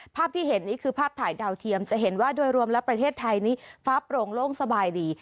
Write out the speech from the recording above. ภาพที่เห็นนี่คือภาพถ่ายดาวเทียมจะเห็นว่าโดยรวมและประเทศไทยนี้ฟ้าโปร่งโล่งสบายดี